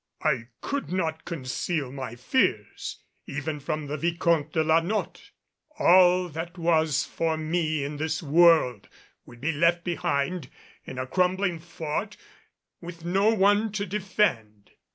I could not conceal my fears, even from the Vicomte de la Notte. All that was for me in this world would be left behind in a crumbling fort with no one to defend.